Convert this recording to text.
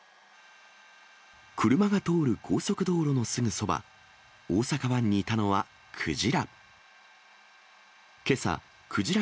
車が通る高速道路のすぐそば、大阪湾にいたのはクジラ。